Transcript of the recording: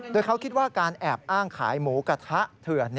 โดยเขาคิดว่าการแอบอ้างขายหมูกระทะเถื่อน